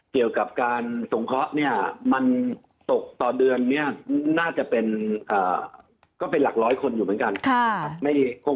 เกี่ยวกับการสงเคราะห์เนี่ยมันตกต่อเดือนเนี่ยน่าจะเป็นหลักร้อยคนอยู่เหมือนกันนะครับ